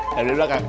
ada di belakang